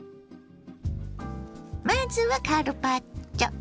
まずはカルパッチョ。